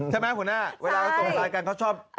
ใช่ไหมหัวหน้าเวลาส่งพันกันเขาชอบย่อต่อ